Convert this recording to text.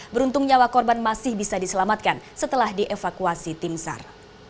beruntung nyawa korban masih bisa diselamatkan setelah dievakuasi tim sar